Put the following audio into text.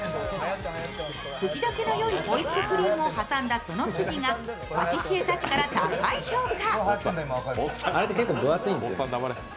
口溶けのよいホイップクリームを挟んだその生地がパティシエたちから高い評価。